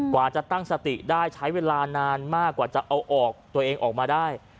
กว่าจะตั้งสติได้ใช้เวลานานมากกว่าจะเอาออกตัวเองออกมาได้